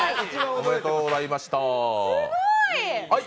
おめでとうございましたはい！